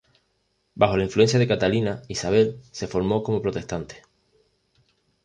Bajo la influencia de Catalina, Isabel se formó como protestante.